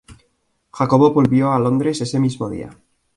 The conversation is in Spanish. Jacobo volvió a Londres ese mismo día.